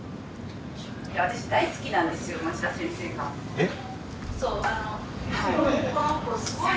えっ？